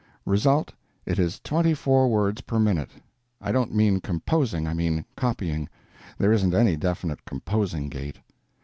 Result: it is twenty four words per minute. I don't mean composing; I mean copying. There isn't any definite composing gait.